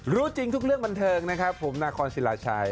รู้จริงทุกเรื่องบันเทิงนะครับผมนาคอนศิลาชัย